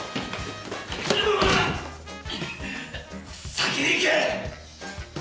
先に行け！